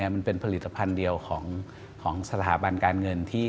มันเป็นผลิตภัณฑ์เดียวของสถาบันการเงิน